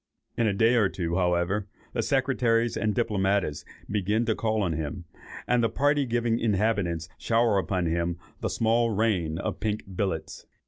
In a day or two, however, the secretaries and diplomatists begin to call on him, and the party giving inhabitants shower upon him the "small rain" of pink billets.